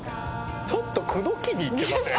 ちょっと口説きにいってません？